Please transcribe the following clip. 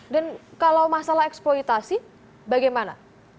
dan kalau masalah eksploitasi bagaimana